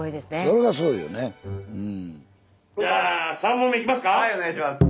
はいお願いします。